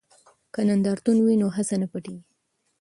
که نندارتون وي نو هڅه نه پټیږي.